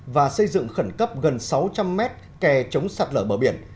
và xây dựng khẩn cấp gần sáu trăm linh mét kè chống sạt lở bờ biển